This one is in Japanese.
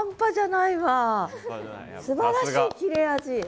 すばらしい切れ味！